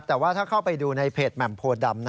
แต่ว่าถ้าเข้าไปดูในเพจแหม่มโพดำ